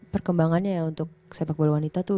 perkembangannya ya untuk sepak bola wanita tuh